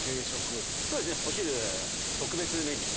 そうですねお昼特別メニューですね。